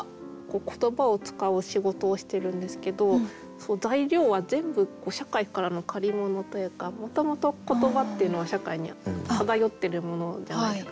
言葉を使う仕事をしてるんですけど材料は全部社会からの借り物というかもともと言葉っていうのは社会に漂っているものじゃないですか。